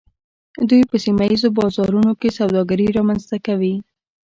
دوی په سیمه ایزو بازارونو کې سوداګري رامنځته کوي